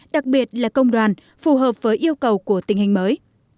đặc biệt là công đoàn phù hợp với yêu cầu của tình hình mới